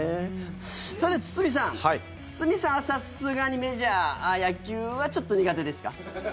さて、堤さん堤さんはさすがにメジャー、野球はちょっと苦手ですか？